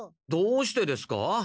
どうしてですか？